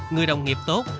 người đồng nghiệp tốt